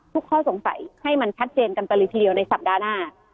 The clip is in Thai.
ข้อสงสัยให้มันชัดเจนกันไปเลยทีเดียวในสัปดาห์หน้า